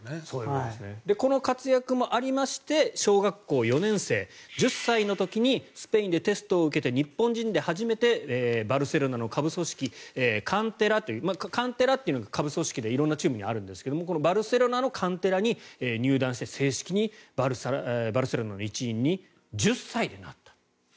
この活躍もありまして小学校４年生、１０歳の時にスペインでテストを受けて日本人で初めてバルセロナの下部組織カンテラという下部組織で色んなチームがあるんですけどこのバルセロナのカンテラに入団して正式にバルセロナの一員に１０歳でなったと。